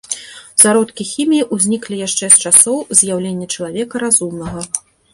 Зародкі хіміі ўзніклі яшчэ з часоў з'яўлення чалавека разумнага.